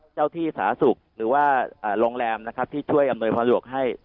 เจ้าที่สาสุกหรือว่าอ่าโรงแรมนะครับที่ช่วยอำนวยความสุขให้